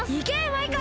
マイカ！